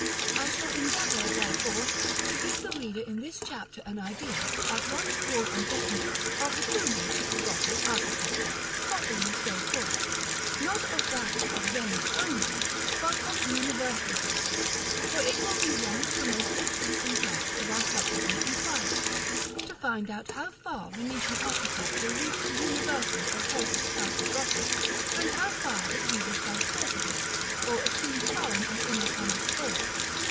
I shall endeavor therefore to give the reader in this chapter an idea, at once broad and definite, of the true nature of Gothic architecture, properly so called; not of that of Venice only, but of universal Gothic: for it will be one of the most interesting parts of our subsequent inquiry, to find out how far Venetian architecture reached the universal or perfect type of Gothic, and how far it either fell short of it, or assumed foreign and independent forms.